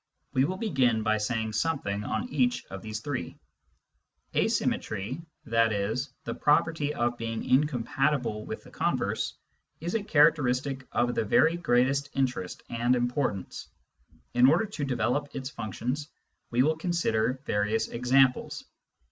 We will begin by saying something on each of these three. Asymmetry, i.e. the property of being incompatible with the converse, is a characteristic of the very greatest interest and importance. In order to develop its functions, we will consider various examples.